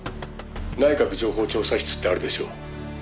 「内閣情報調査室ってあるでしょ？」